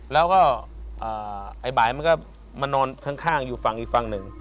แล้วก็ไอ้บ่ายมันก็มานอนข้างอยู่ฝั่งอีกฝั่งหนึ่ง